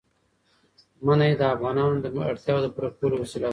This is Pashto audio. منی د افغانانو د اړتیاوو د پوره کولو وسیله ده.